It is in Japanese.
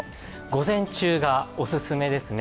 午前中がお勧めですね。